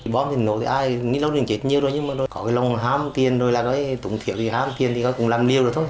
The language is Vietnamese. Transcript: bom thì nổ thì ai nổ thì chết nhiều rồi nhưng mà có lòng hàm tiền rồi là nói tụng thiếu thì hàm tiền thì cũng làm liều rồi thôi